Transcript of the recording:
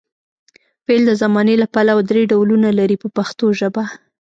فعل د زمانې له پلوه درې ډولونه لري په پښتو ژبه.